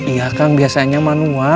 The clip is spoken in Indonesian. iya kang biasanya manual